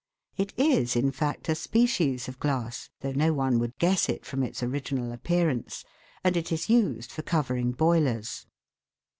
It is, in fact, a species of glass, though no one would guess it from its original appearance, and it is used for covering boilers.